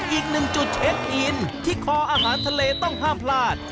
อีกหนึ่งจุดเช็คอินที่คออาหารทะเลต้องห้ามพลาด